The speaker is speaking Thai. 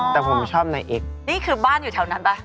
แต่ผมชอบนายเอ็กซ์นี่คือบ้านอยู่แถวนั้นป่ะ